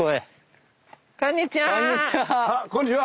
こんにちは。